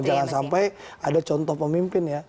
jangan sampai ada contoh pemimpin ya